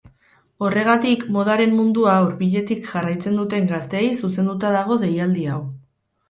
Horregatik, modaren mundua hurbiletik jarraitzen duten gazteei zuzenduta dago deialdi hau.